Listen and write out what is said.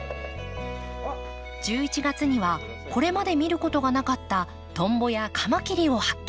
１１月にはこれまで見ることがなかったトンボやカマキリを発見。